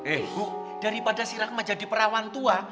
eh ibu daripada si rahmat jadi perawan tua